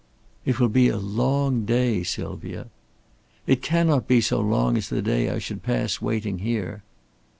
"It will be a long day, Sylvia." "It cannot be so long as the day I should pass waiting here."